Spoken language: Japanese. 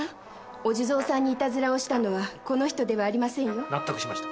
お地蔵さんにいたずらをしたのはこの人ではありませんよ。納得しました。